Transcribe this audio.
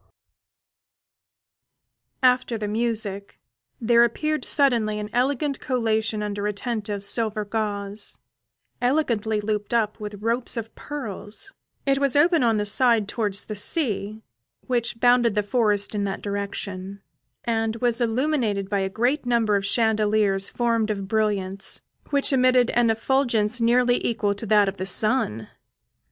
After the music, there appeared suddenly an elegant collation under a tent of silver gauze, elegantly looped up with ropes of pearls; it was open on the side towards the sea, which bounded the forest in that direction; and was illuminated by a great number of chandeliers formed of brilliants, which emitted an effulgence nearly equal to that of the sun.